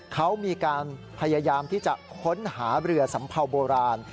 เขามีการพยายามที่จะค้นหาเรือสัมเภาโบราณ